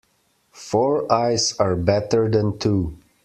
Four eyes are better than two.